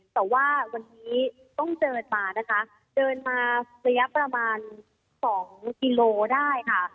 แต่ว่าวันนี้ต้องเดินมานะคะเดินมาระยะประมาณ๒กิโลได้ค่ะ